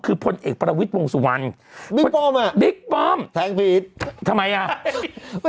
คือพลเอกพระวิทย์วงสุวรรณบิ๊กปอมแทงผีดทำไม